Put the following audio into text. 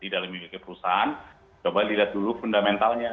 di dalam miliki perusahaan coba lihat dulu fundamentalnya